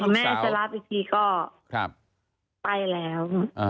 แม่จะรับอีกทีก็ไปแล้ว